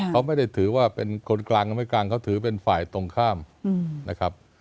เขาไม่ได้ถือว่าเป็นคนกลางหรือไม่กลางเขาถือเป็นฝ่ายตรงข้ามนะครับ